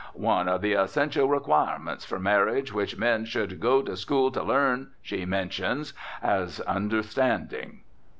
One of 'the essential requirements' for marriage which 'men should go to school to learn' she mentions as 'understanding.'